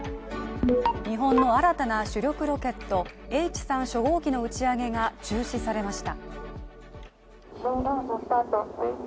日本の新たな主力ロケットＨ３初号機の打ち上げが中止されました。